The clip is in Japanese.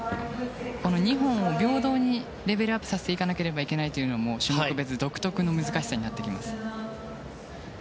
２本を平等にレベルアップさせていかなければいけないのも種目別独特の難しさになってきます。